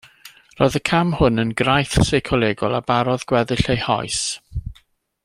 Roedd y cam hwn yn graith seicolegol a barodd gweddill ei hoes.